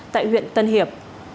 tại huyện tân hiệp